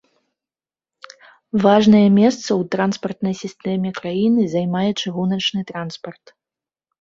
Важнае месца ў транспартнай сістэме краіны займае чыгуначны транспарт.